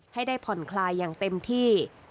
ให้ได้ผ่อนคลายอย่างเต็มที่